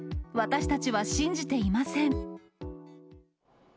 私たちは信じていません。